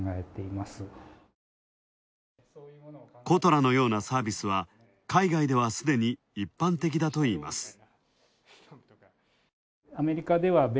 ことらのようなサービスは、海外ではすでに一般的だといいます。